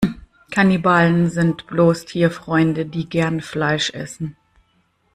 Kannibalen sind bloß Tierfreunde, die gern Fleisch essen.